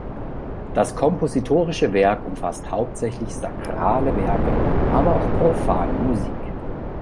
Das kompositorische Werk umfasst hauptsächlich sakrale Werke, aber auch profane Musik.